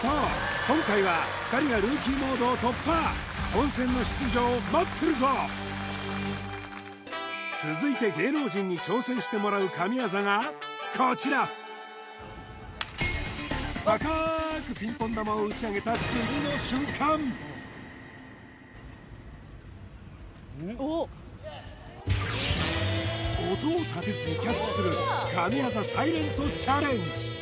今回は２人がルーキーモードを突破本戦の出場待ってるぞ続いて芸能人にこちら高くピンポン球を打ち上げた音を立てずにキャッチする神業サイレントチャレンジ